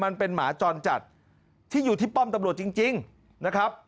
หมาจรจัดที่อยู่ที่ป้อมตำรวจจริงนะครับ